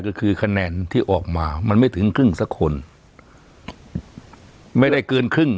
ก็คือคะแนนที่ออกมามันไม่ถึงครึ่งสักคนไม่ได้เกินครึ่ง